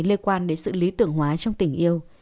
liên quan đến sự lý tưởng hóa trong tình yêu